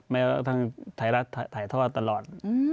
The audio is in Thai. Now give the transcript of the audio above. ไม่ต้องถ่ายท่อตลอด